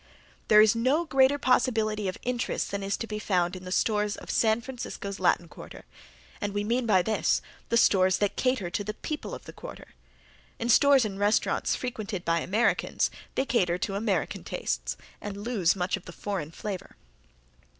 There is no greater possibility of interest than is to be found in the stores of San Francisco's Latin Quarter, and we mean by this the stores that cater to the people of the Quarter. In stores and restaurants frequented by Americans they cater to American tastes and lose much of the foreign flavor.